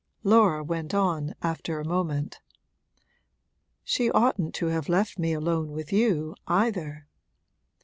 Laura went on, after a moment: 'She oughtn't to have left me alone with you, either.'